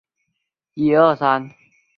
海南当地发布了寒冷三级警报。